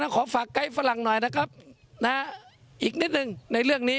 ขอฝากไกด์ฝรั่งหน่อยนะครับอีกนิดนึงในเรื่องนี้